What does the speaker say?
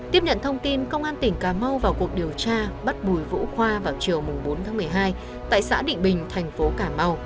tiếp nhận thông tin công an tỉnh cà mau vào cuộc điều tra bắt bùi vũ khoa vào chiều bốn một mươi hai tại xã định bình tp hcm